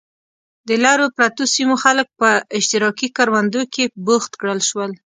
د لرو پرتو سیمو خلک په اشتراکي کروندو کې بوخت کړل شول.